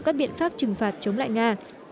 các biện pháp trừng phạt chống lại nga